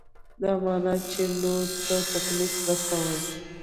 دا معنا ده چې نورو ته تکلیف رسوئ.